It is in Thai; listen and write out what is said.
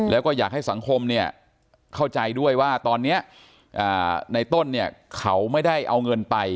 แล้วก็อยากให้สังคมเนี่ยเข้าใจด้วยว่าตอนนี้ในต้นเนี่ยเขาไม่ได้เอาเงินไป